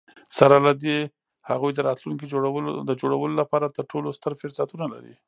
سره له دي، هغوی د راتلونکي د جوړولو لپاره تر ټولو ستر فرصتونه لري.